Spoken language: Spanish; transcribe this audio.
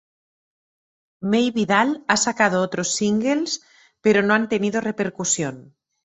Mey vidal ha sacado otros singles pero no han tenido repercusión.